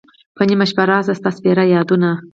په نیمه شپه را شی ستا سپیره یادونه